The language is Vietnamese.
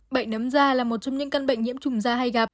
bệnh nấm da là một trong những căn bệnh nhiễm trùng da hay gặp